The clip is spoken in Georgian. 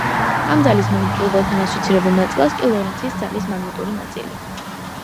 ამ ძალის მაგნიტურ ველთან ასოცირებულ ნაწილს კი ლორენცის ძალის მაგნიტური ნაწილი.